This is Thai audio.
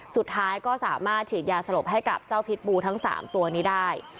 สุดท้ายก็สามารถฉีดยาสลบให้กับเจ้าพิษบูทั้ง๓ตัวนี้ได้